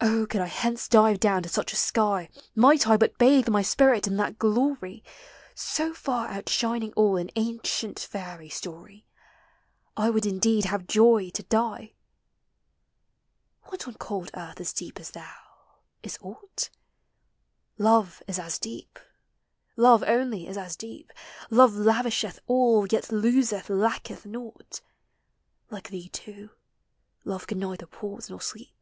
Oh, could I hence dive down to such a sky, Might I but bathe my spirit in that glory, So far outshining all in ancient fairy story, I would indeed have joy to die ! What on cold earth is deep as thou? Is aught? Love is as deep, love only is as deep: Love lavisheth all, yet loseth, lacketh naught; Like thee, too, love can neither pause nor sleep.